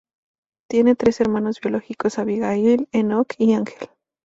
Tiene tres hermanos biológicos: Abigail, Enoc y Angel.